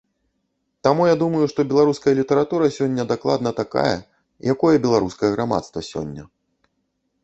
Таму я думаю, што беларуская літаратура сёння дакладна такая, якое беларускае грамадства сёння.